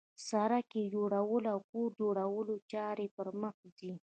د سړک جوړولو او کور جوړولو چارې پرمخ ځي